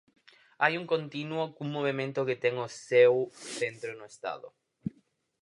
Hai un continuo cun movemento que ten o seu centro no Estado.